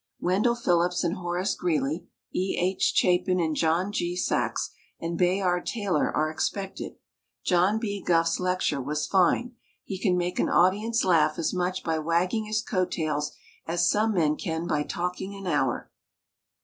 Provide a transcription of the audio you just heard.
Wendell Phillips and Horace Greeley, E. H. Chapin and John G. Saxe and Bayard Taylor are expected. John B. Gough's lecture was fine. He can make an audience laugh as much by wagging his coat tails as some men can by talking an hour.